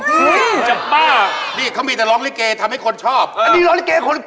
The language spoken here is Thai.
พี่ครับเขาเป็นรุ่นนักเรง